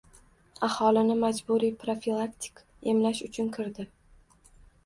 Aholini majburiy profilaktik emlash uchun kirdi.